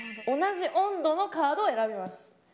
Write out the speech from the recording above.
同じ温度のカードを選べます。